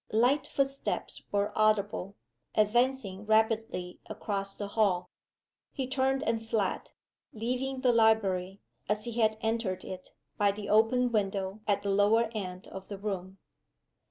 Light footsteps were audible, advancing rapidly across the hall. He turned and fled, leaving the library, as he had entered it, by the open window at the lower end of the room.